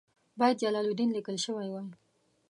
باید جلال الدین لیکل شوی وای.